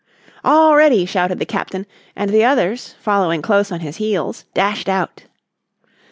"All ready!" shouted the Captain, and the others, following close on his heels, dashed out.